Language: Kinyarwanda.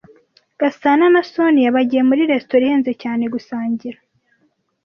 Gasana na Soniya bagiye muri resitora ihenze cyane gusangira.